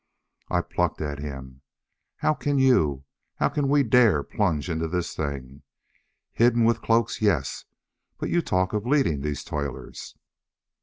I plucked at him. "How can you how can we dare plunge into this thing? Hidden with cloaks, yes. But you talk of leading these toilers."